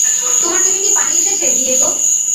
তোমার চোখে কি পানি এসেছে, ডিয়েগো?